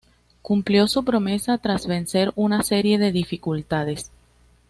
Cumplió su promesa, tras vencer una serie de dificultades.